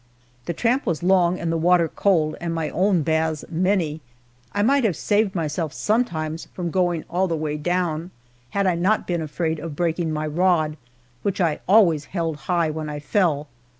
The tramp was long and the water cold, and my own baths many. I might have saved myself, sometimes, from going all the way down had I not been afraid of breaking my rod, which I always held high when I fell.